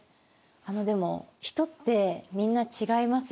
あのでも人ってみんな違いますよね。